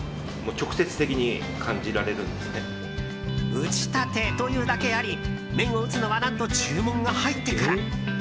打ちたてというだけあり麺を打つのは何と注文が入ってから。